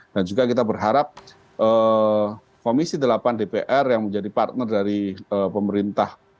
dan juga kita berharap komisi delapan dpr yang menjadi partner dari pemerintah